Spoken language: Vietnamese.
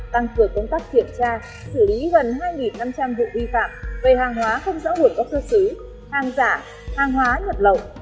tăng cường công tác kiểm tra xử lý gần hai năm trăm linh vụ vi phạm về hàng hóa không rõ nguồn gốc xuất xứ hàng giả hàng hóa nhập lậu